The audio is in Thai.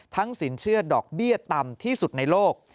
สินเชื่อดอกเบี้ยต่ำที่สุดในโลก